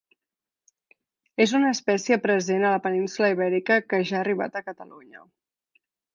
És una espècie present a la península Ibèrica que ja ha arribat a Catalunya.